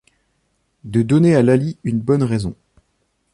De donner à Laly une bonne raison.